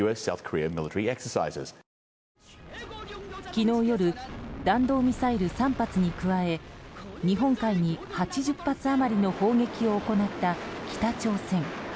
昨日夜弾道ミサイル３発に加え日本海に８０発余りの砲撃を行った北朝鮮。